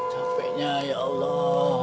capeknya ya allah